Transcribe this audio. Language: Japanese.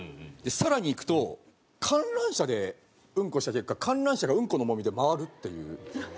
更にいくと観覧車でうんこした結果観覧車がうんこの重みで回るっていう。